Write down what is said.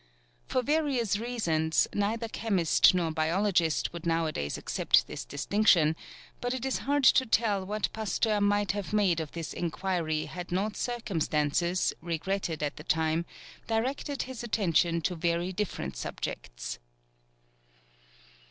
For various reasons, neither chemist nor biologist would nowadays accept this distinction; but it is hard to tell what Pasteur might have made of this inquiry had not circumstances, regretted at the time, directed his attention to very different subjects.